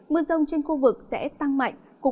mưa rông trên khu vực sẽ tăng mạnh